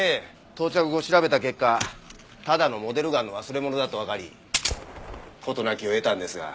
到着後調べた結果ただのモデルガンの忘れ物だとわかり事なきを得たんですが。